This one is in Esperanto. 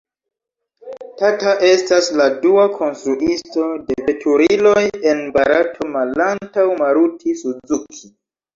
Tata estas la dua konstruisto de veturiloj en Barato malantaŭ Maruti-Suzuki.